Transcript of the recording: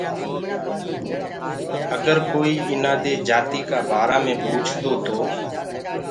اَگر ڪوئيٚ ايٚنآ دي جاتيٚ ڪآ بآرآ مي پوٚڇدو تو۔